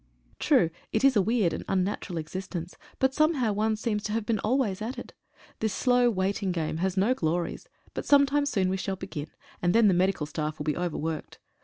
True it is a weird and unnatural existence, but somehow' one seems to have been always at it. This slow waiting game has no glories, but some time soon we shall begin, and then the medical staff will be overworked.